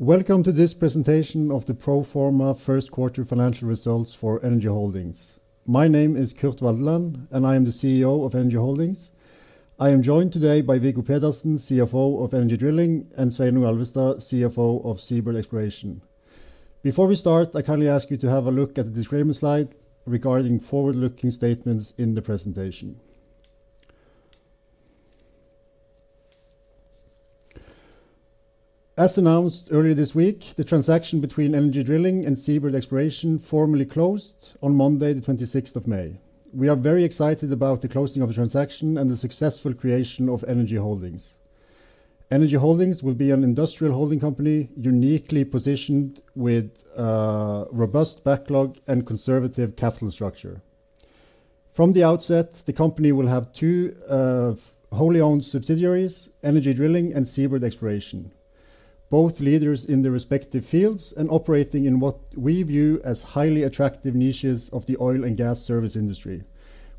Welcome to this presentation of the pro-forma first quarter financial results for Energy Holdings. My name is Kurt Waldeland, and I am the CEO of Energy Holdings. I am joined today by Viggo Pedersen, CFO of Energy Drilling, and Sveinung Alvestad, CFO of Seabird Exploration. Before we start, I kindly ask you to have a look at the disclaimer slide regarding forward-looking statements in the presentation. As announced earlier this week, the transaction between Energy Drilling and Seabird Exploration formally closed on Monday, the 26th of May. We are very excited about the closing of the transaction and the successful creation of Energy Holdings. Energy Holdings will be an industrial holding company uniquely positioned with a robust backlog and conservative capital structure. From the outset, the company will have two wholly-owned subsidiaries, Energy Drilling and Seabird Exploration, both leaders in their respective fields and operating in what we view as highly attractive niches of the oil and gas service industry,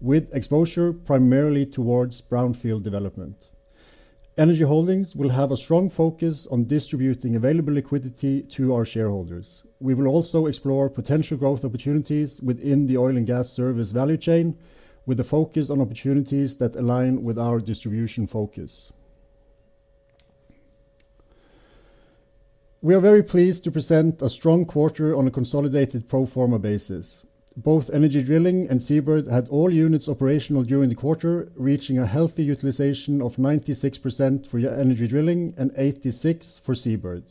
with exposure primarily towards brownfield development. Energy Holdings will have a strong focus on distributing available liquidity to our shareholders. We will also explore potential growth opportunities within the oil and gas service value chain, with a focus on opportunities that align with our distribution focus. We are very pleased to present a strong quarter on a consolidated proforma basis. Both Energy Drilling and Seabird had all units operational during the quarter, reaching a healthy utilization of 96% for Energy Drilling and 86% for Seabird.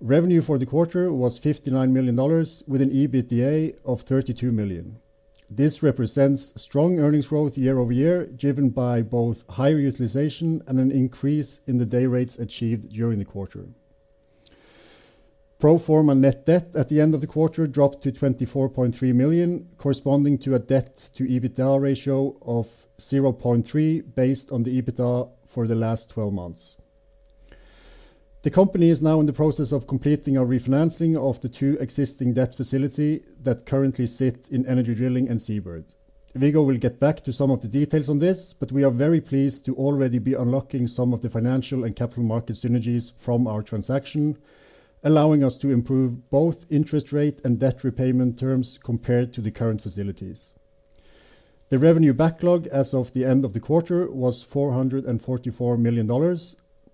Revenue for the quarter was $59 million, with an EBITDA of $32 million. This represents strong earnings growth year over year, driven by both higher utilization and an increase in the day rates achieved during the quarter. Proforma net debt at the end of the quarter dropped to $24.3 million, corresponding to a debt-to-EBITDA ratio of 0.3% based on the EBITDA for the last 12 months. The company is now in the process of completing a refinancing of the two existing debt facilities that currently sit in Energy Drilling and Seabird. Viggo will get back to some of the details on this, but we are very pleased to already be unlocking some of the financial and capital market synergies from our transaction, allowing us to improve both interest rate and debt repayment terms compared to the current facilities. The revenue backlog as of the end of the quarter was $444 million,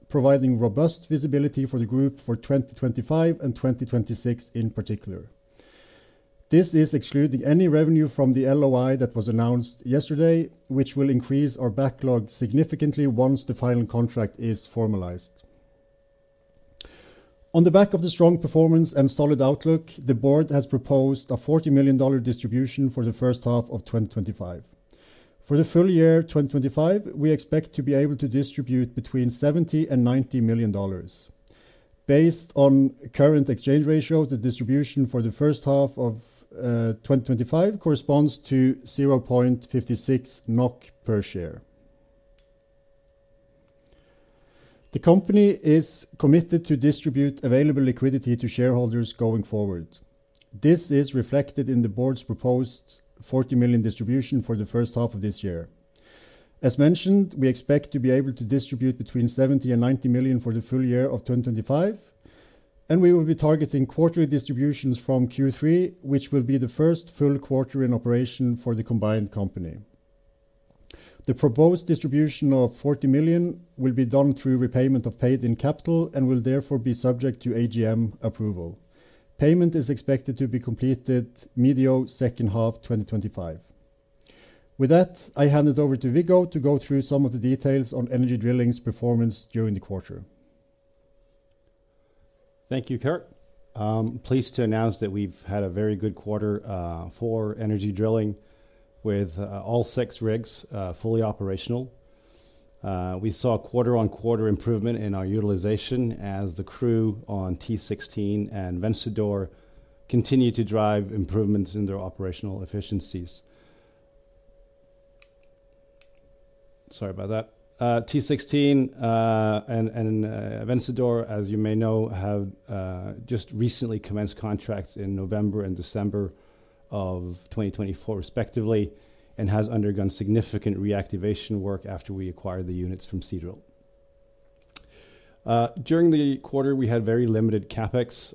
providing robust visibility for the group for 2025 and 2026 in particular. This is excluding any revenue from the LOI that was announced yesterday, which will increase our backlog significantly once the final contract is formalized. On the back of the strong performance and solid outlook, the board has proposed a $40 million distribution for the first half of 2025. For the full year 2025, we expect to be able to distribute between $70 million and $90 million. Based on current exchange ratios, the distribution for the first half of 2025 corresponds to 0.56 NOK per share. The company is committed to distribute available liquidity to shareholders going forward. This is reflected in the board's proposed $40 million distribution for the first half of this year. As mentioned, we expect to be able to distribute between $70 million and $90 million for the full year of 2025, and we will be targeting quarterly distributions from Q3, which will be the first full quarter in operation for the combined company. The proposed distribution of $40 million will be done through repayment of paid-in capital and will therefore be subject to AGM approval. Payment is expected to be completed medio second half 2025. With that, I hand it over to Viggo to go through some of the details on Energy Drilling's performance during the quarter. Thank you, Kurt. I'm pleased to announce that we've had a very good quarter for Energy Drilling, with all six rigs fully operational. We saw quarter-on-quarter improvement in our utilization, as the crew on T16 and Vencedor continue to drive improvements in their operational efficiencies. Sorry about that. T16 and Vencedor, as you may know, have just recently commenced contracts in November and December of 2024, respectively, and have undergone significant reactivation work after we acquired the units from Seadrill. During the quarter, we had very limited CapEx,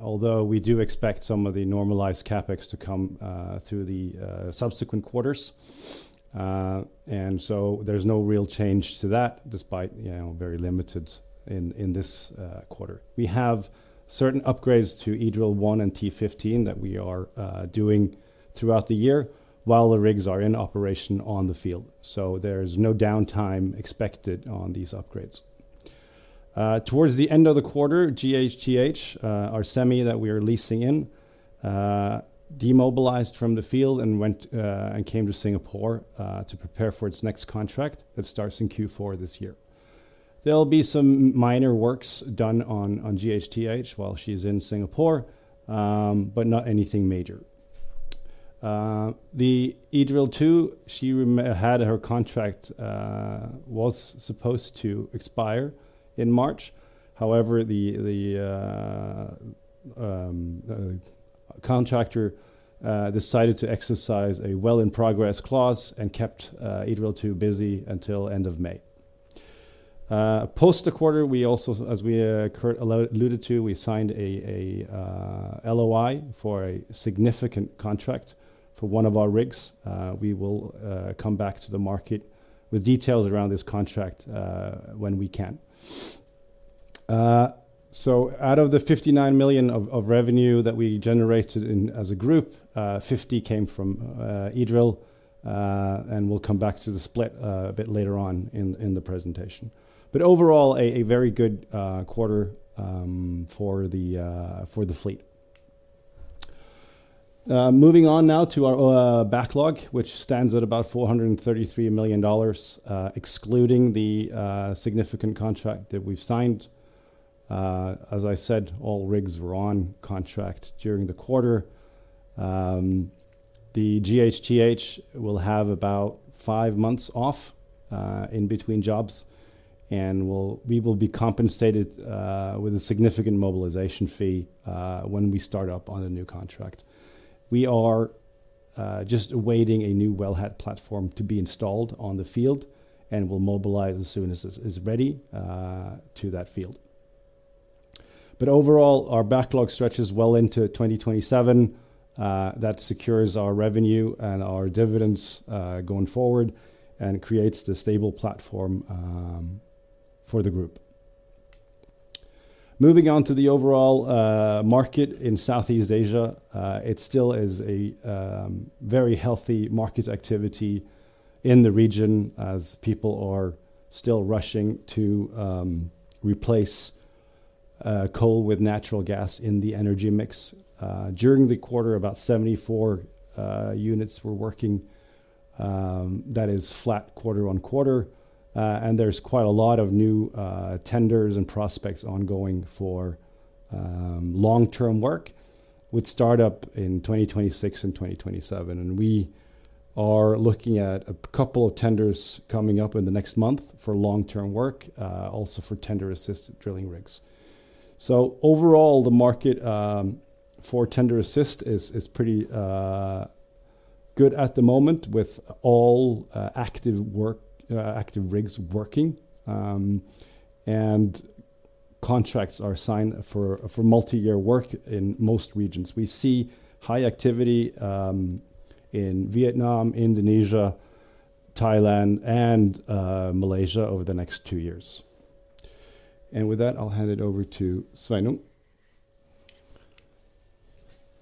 although we do expect some of the normalized CapEx to come through the subsequent quarters. There is no real change to that, despite very limited in this quarter. We have certain upgrades to EDRILL-1 and T-15 that we are doing throughout the year while the rigs are in operation on the field. There is no downtime expected on these upgrades. Towards the end of the quarter, GHTH, our semi that we are leasing in, demobilized from the field and came to Singapore to prepare for its next contract that starts in Q4 this year. There will be some minor works done on GHTH while she is in Singapore, but not anything major. The EDRILL 2, she had her contract was supposed to expire in March. However, the contractor decided to exercise a well-in-progress clause and kept EDRILL-2 busy until the end of May. Post the quarter, we also, as Kurt alluded to, signed an LOI for a significant contract for one of our rigs. We will come back to the market with details around this contract when we can. Out of the $59 million of revenue that we generated as a group, $50 million came from EDRILL, and we'll come back to the split a bit later on in the presentation. Overall, a very good quarter for the fleet. Moving on now to our backlog, which stands at about $433 million, excluding the significant contract that we've signed. As I said, all rigs were on contract during the quarter. The GHTH will have about five months off in between jobs, and we will be compensated with a significant mobilization fee when we start up on a new contract. We are just awaiting a new wellhead platform to be installed on the field and will mobilize as soon as it's ready to that field. Overall, our backlog stretches well into 2027. That secures our revenue and our dividends going forward and creates the stable platform for the group. Moving on to the overall market in Southeast Asia, it still is a very healthy market activity in the region, as people are still rushing to replace coal with natural gas in the energy mix. During the quarter, about 74 units were working. That is flat quarter on quarter. There is quite a lot of new tenders and prospects ongoing for long-term work with startup in 2026 and 2027. We are looking at a couple of tenders coming up in the next month for long-term work, also for TenderAssist drilling rigs. Overall, the market for Tender Assist is pretty good at the moment, with all active rigs working, and contracts are signed for multi-year work in most regions. We see high activity in Vietnam, Indonesia, Thailand, and Malaysia over the next two years. With that, I'll hand it over to Sveinung.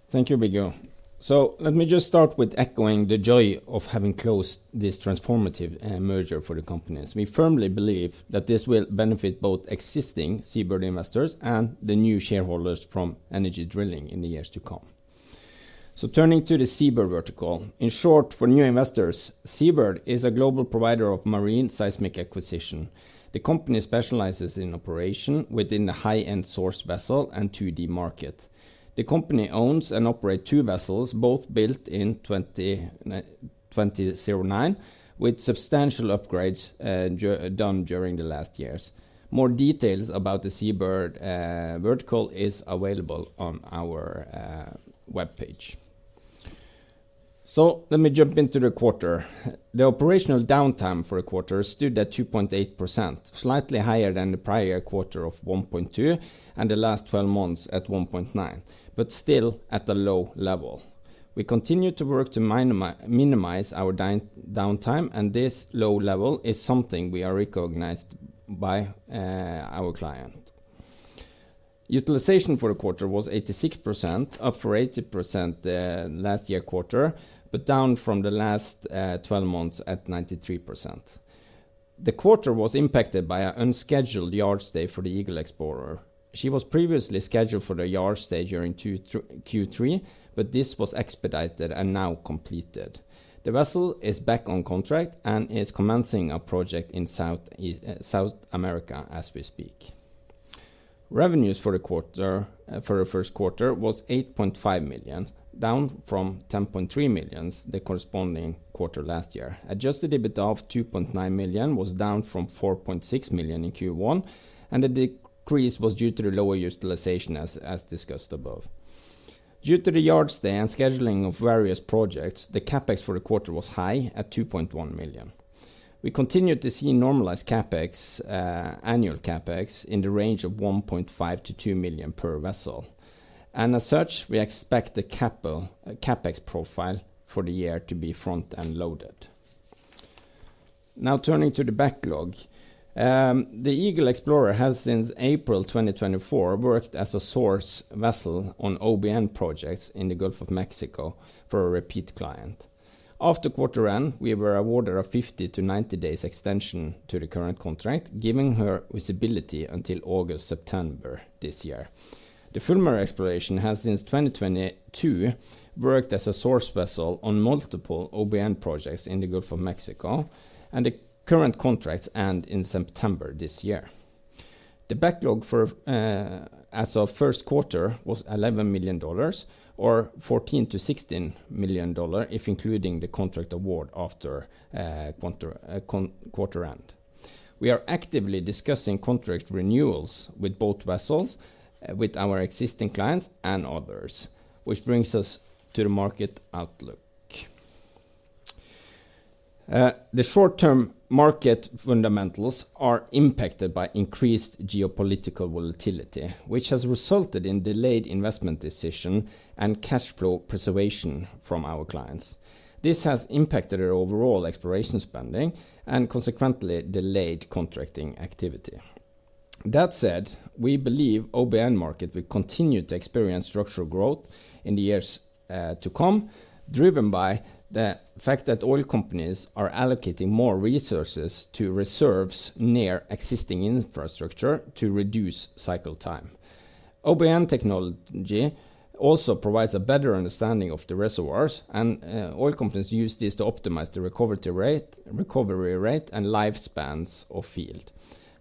Thank you, Viggo. Let me just start with echoing the joy of having closed this transformative merger for the companies. We firmly believe that this will benefit both existing Seabird investors and the new shareholders from Energy Drilling in the years to come. Turning to the Seabird vertical, in short, for new investors, Seabird is a global provider of marine seismic acquisition. The company specializes in operation within the high-end source vessel and 2D market. The company owns and operates two vessels, both built in 2009, with substantial upgrades done during the last years. More details about the Seabird vertical are available on our web page. Let me jump into the quarter. The operational downtime for a quarter stood at 2.8%, slightly higher than the prior quarter of 1.2% and the last 12 months at 1.9%, but still at a low level. We continue to work to minimize our downtime, and this low level is something we are recognized by our client. Utilization for the quarter was 86%, up from 80% last year quarter, but down from the last 12 months at 93%. The quarter was impacted by an unscheduled yard stay for the Eagle Explorer. She was previously scheduled for the yard stay during Q3, but this was expedited and now completed. The vessel is back on contract and is commencing a project in South America as we speak. Revenues for the quarter for the first quarter was $8.5 million, down from $10.3 million the corresponding quarter last year. Adjusted EBITDA of $2.9 million was down from $4.6 million in Q1, and the decrease was due to the lower utilization, as discussed above. Due to the yard stay and scheduling of various projects, the CapEx for the quarter was high at $2.1 million. We continue to see normalized CapEx, annual CapEx, in the range of $1.5-$2 million per vessel. As such, we expect the CapEx profile for the year to be front-end loaded. Now turning to the backlog, the Eagle Explorer has since April 2024 worked as a source vessel on OBN projects in the Gulf of Mexico for a repeat client. After quarter end, we were awarded a 50-90 days extension to the current contract, giving her visibility until August-September this year. The Fulmar Explorer has since 2022 worked as a source vessel on multiple OBN projects in the Gulf of Mexico, and the current contracts end in September this year. The backlog as of first quarter was $11 million, or $14 million-$16 million if including the contract award after quarter end. We are actively discussing contract renewals with both vessels, with our existing clients and others, which brings us to the market outlook. The short-term market fundamentals are impacted by increased geopolitical volatility, which has resulted in delayed investment decision and cash flow preservation from our clients. This has impacted our overall exploration spending and consequently delayed contracting activity. That said, we believe the OBN market will continue to experience structural growth in the years to come, driven by the fact that oil companies are allocating more resources to reserves near existing infrastructure to reduce cycle time. OBN technology also provides a better understanding of the reservoirs, and oil companies use this to optimize the recovery rate and lifespans of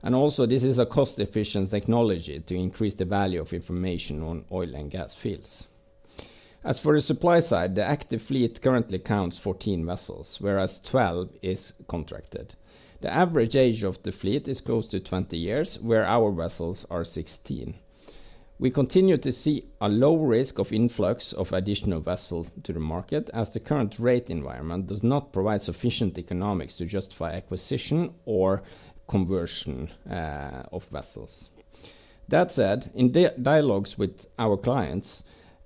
field. This is a cost-efficient technology to increase the value of information on oil and gas fields. As for the supply side, the active fleet currently counts 14 vessels, whereas 12 is contracted. The average age of the fleet is close to 20 years, where our vessels are 16. We continue to see a low risk of influx of additional vessels to the market, as the current rate environment does not provide sufficient economics to justify acquisition or conversion of vessels. That said, in dialogues with our clients,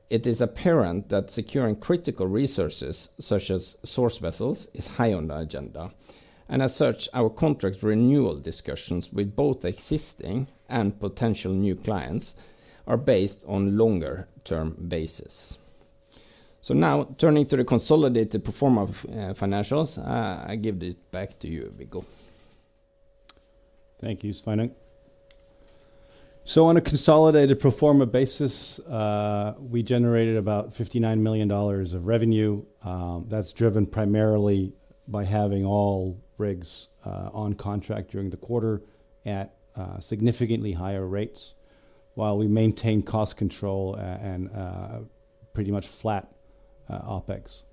it is apparent that securing critical resources such as source vessels is high on the agenda. As such, our contract renewal discussions with both existing and potential new clients are based on a longer-term basis. Now, turning to the consolidated proforma financials, I give it back to you, Viggo. Thank you, Sveinung. On a consolidated pro forma basis, we generated about $59 million of revenue. That's driven primarily by having all rigs on contract during the quarter at significantly higher rates, while we maintained cost control and pretty much flat OPEx.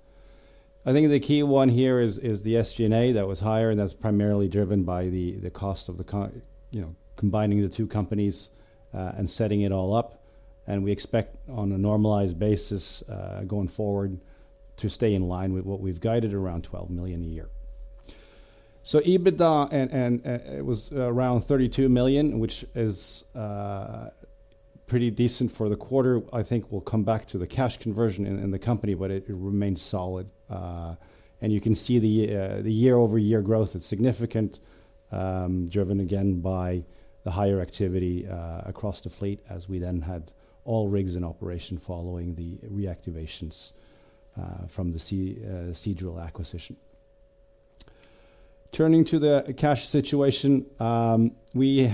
I think the key one here is the SG&A that was higher, and that's primarily driven by the cost of combining the two companies and setting it all up. We expect, on a normalized basis going forward, to stay in line with what we've guided around $12 million a year. EBITDA was around $32 million, which is pretty decent for the quarter. I think we'll come back to the cash conversion in the company, but it remains solid. You can see the year-over-year growth is significant, driven again by the higher activity across the fleet, as we then had all rigs in operation following the reactivations from the Seadrill acquisition. Turning to the cash situation, we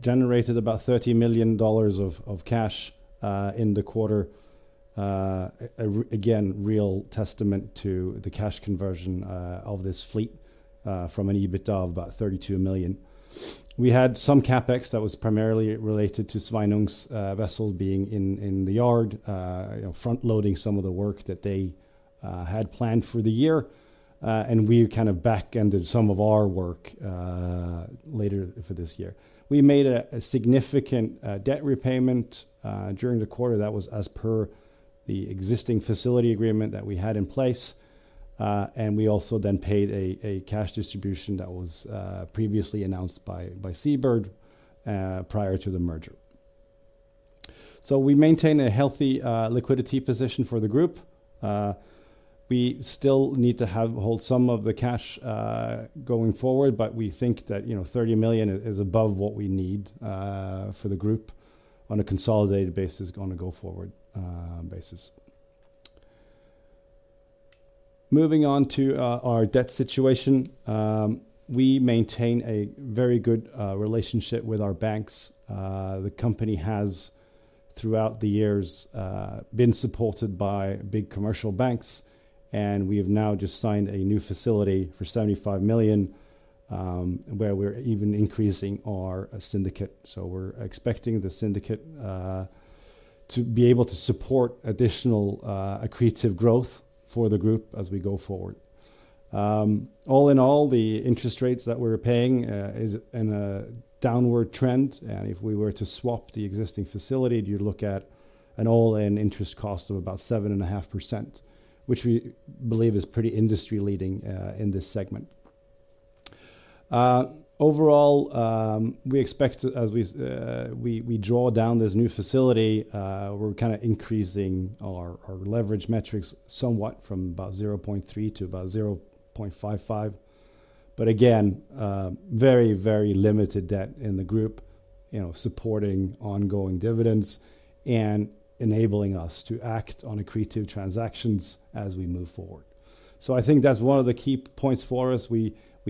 generated about $30 million of cash in the quarter. Again, real testament to the cash conversion of this fleet from an EBITDA of about $32 million. We had some CapEx that was primarily related to Sveinung's vessels being in the yard, front-loading some of the work that they had planned for the year. We kind of back-ended some of our work later for this year. We made a significant debt repayment during the quarter. That was as per the existing facility agreement that we had in place. We also then paid a cash distribution that was previously announced by Seabird prior to the merger. We maintain a healthy liquidity position for the group. We still need to hold some of the cash going forward, but we think that $30 million is above what we need for the group on a consolidated basis, on a go-forward basis. Moving on to our debt situation, we maintain a very good relationship with our banks. The company has, throughout the years, been supported by big commercial banks. We have now just signed a new facility for $75 million, where we're even increasing our syndicate. We're expecting the syndicate to be able to support additional accretive growth for the group as we go forward. All in all, the interest rates that we're paying are in a downward trend. If we were to swap the existing facility, you'd look at an all-in interest cost of about 7.5%, which we believe is pretty industry-leading in this segment. Overall, we expect, as we draw down this new facility, we're kind of increasing our leverage metrics somewhat from about 0.3% to about 0.55%. Again, very, very limited debt in the group, supporting ongoing dividends and enabling us to act on accretive transactions as we move forward. I think that's one of the key points for us.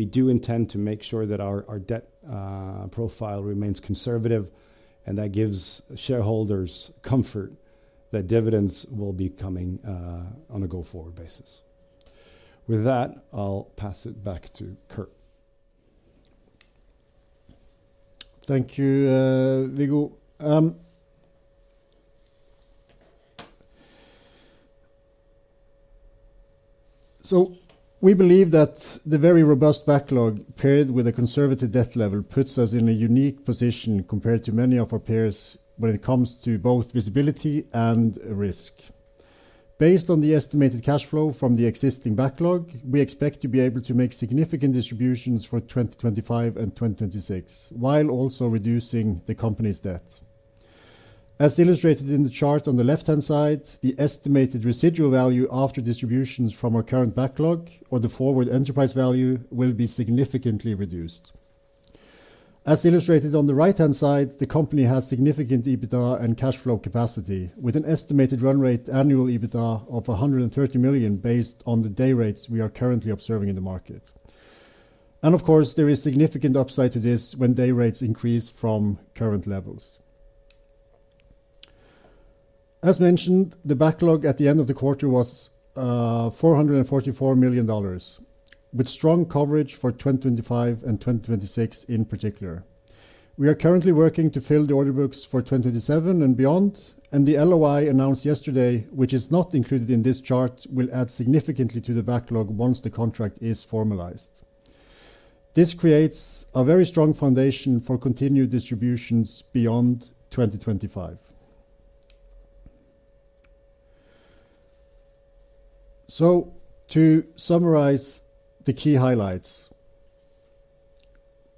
We do intend to make sure that our debt profile remains conservative, and that gives shareholders comfort that dividends will be coming on a go-forward basis. With that, I'll pass it back to Kurt. Thank you, Viggo. We believe that the very robust backlog paired with a conservative debt level puts us in a unique position compared to many of our peers when it comes to both visibility and risk. Based on the estimated cash flow from the existing backlog, we expect to be able to make significant distributions for 2025 and 2026, while also reducing the company's debt. As illustrated in the chart on the left-hand side, the estimated residual value after distributions from our current backlog, or the forward enterprise value, will be significantly reduced. As illustrated on the right-hand side, the company has significant EBITDA and cash flow capacity, with an estimated run rate annual EBITDA of $130 million based on the day rates we are currently observing in the market. Of course, there is significant upside to this when day rates increase from current levels. As mentioned, the backlog at the end of the quarter was $444 million, with strong coverage for 2025 and 2026 in particular. We are currently working to fill the order books for 2027 and beyond, and the LOI announced yesterday, which is not included in this chart, will add significantly to the backlog once the contract is formalized. This creates a very strong foundation for continued distributions beyond 2025. To summarize the key highlights,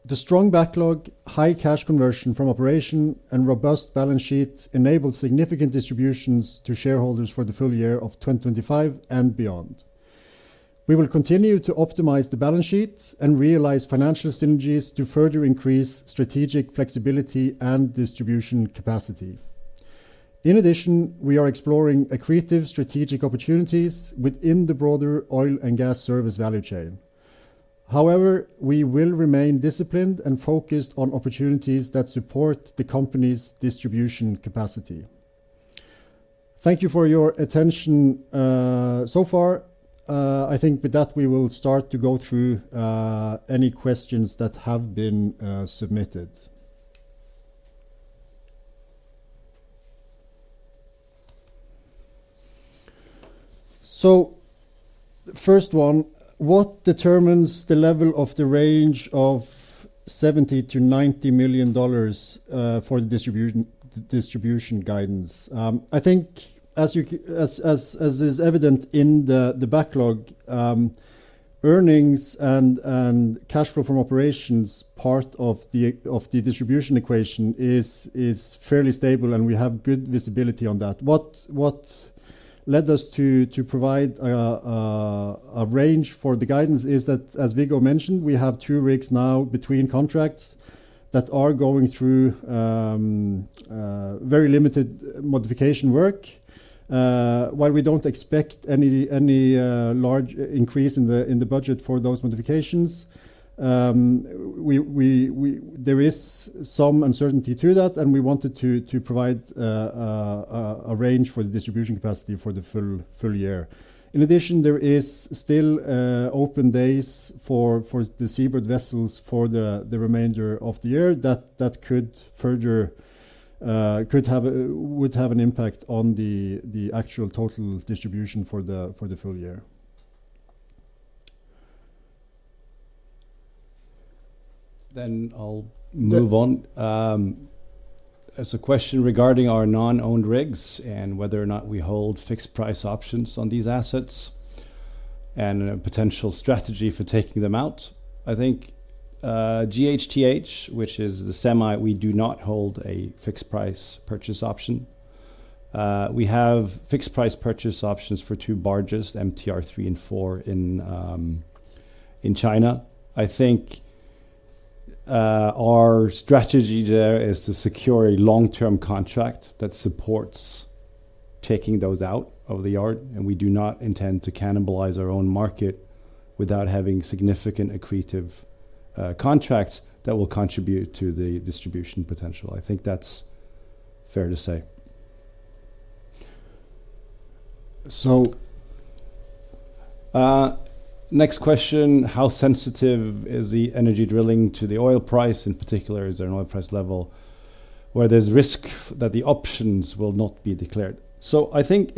the strong backlog, high cash conversion from operation, and robust balance sheet enable significant distributions to shareholders for the full year of 2025 and beyond. We will continue to optimize the balance sheet and realize financial synergies to further increase strategic flexibility and distribution capacity. In addition, we are exploring accretive strategic opportunities within the broader oil and gas service value chain. However, we will remain disciplined and focused on opportunities that support the company's distribution capacity. Thank you for your attention so far. I think with that, we will start to go through any questions that have been submitted. First one, what determines the level of the range of $70-$90 million for the distribution guidance? I think, as is evident in the backlog, earnings and cash flow from operations, part of the distribution equation is fairly stable, and we have good visibility on that. What led us to provide a range for the guidance is that, as Viggo mentioned, we have two rigs now between contracts that are going through very limited modification work. While we do not expect any large increase in the budget for those modifications, there is some uncertainty to that, and we wanted to provide a range for the distribution capacity for the full year. In addition, there are still open days for the Seabird vessels for the remainder of the year that could have an impact on the actual total distribution for the full year. I'll move on. There's a question regarding our non-owned rigs and whether or not we hold fixed price options on these assets and a potential strategy for taking them out. I think GHTH, which is the semi, we do not hold a fixed price purchase option. We have fixed price purchase options for two barges, MTR-3 and MTR-4, in China. I think our strategy there is to secure a long-term contract that supports taking those out of the yard. We do not intend to cannibalize our own market without having significant accretive contracts that will contribute to the distribution potential. I think that's fair to say. Next question, how sensitive is Energy Drilling to the oil price? In particular, is there an oil price level where there's risk that the options will not be declared? I think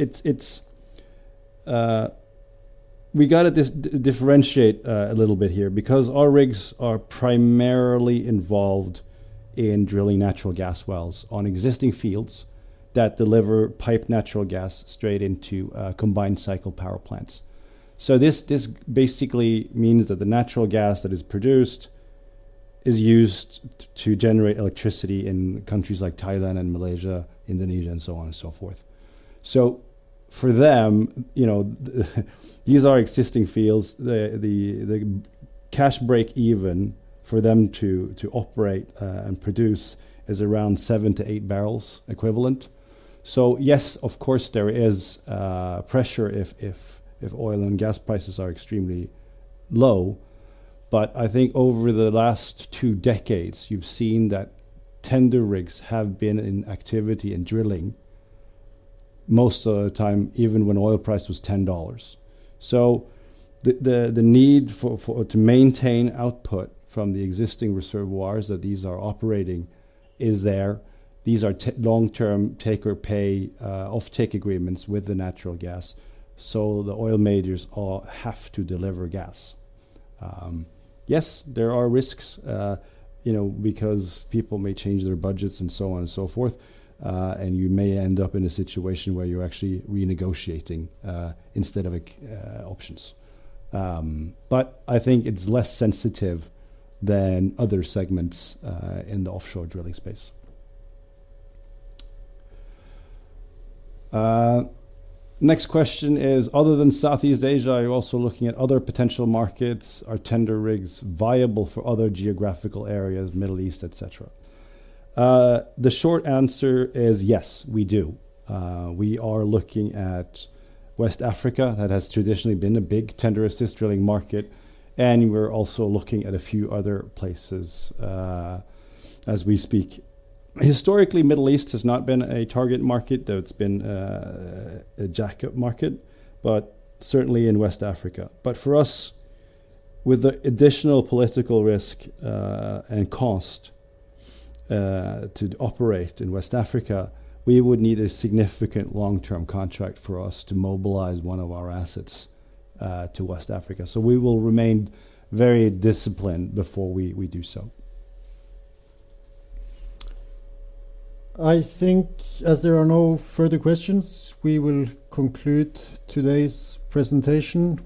we got to differentiate a little bit here because our rigs are primarily involved in drilling natural gas wells on existing fields that deliver piped natural gas straight into combined cycle power plants. This basically means that the natural gas that is produced is used to generate electricity in countries like Thailand, Malaysia, Indonesia, and so on and so forth. For them, these are existing fields. The cash break even for them to operate and produce is around $7-8 per barrel equivalent. Yes, of course, there is pressure if oil and gas prices are extremely low. I think over the last two decades, you've seen that tender rigs have been in activity and drilling most of the time, even when oil price was $10. The need to maintain output from the existing reservoirs that these are operating is there. These are long-term take or pay off-take agreements with the natural gas. The oil majors have to deliver gas. Yes, there are risks because people may change their budgets and so on and so forth. You may end up in a situation where you're actually renegotiating instead of options. I think it's less sensitive than other segments in the offshore drilling space. Next question is, other than Southeast Asia, are you also looking at other potential markets? Are tender rigs viable for other geographical areas, Middle East, etc.? The short answer is yes, we do. We are looking at West Africa that has traditionally been a big tender assist drilling market. We are also looking at a few other places as we speak. Historically, Middle East has not been a target market, though it has been a jacket market, but certainly in West Africa. For us, with the additional political risk and cost to operate in West Africa, we would need a significant long-term contract for us to mobilize one of our assets to West Africa. We will remain very disciplined before we do so. I think as there are no further questions, we will conclude today's presentation.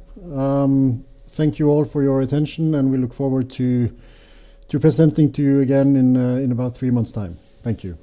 Thank you all for your attention, and we look forward to presenting to you again in about three months' time. Thank you.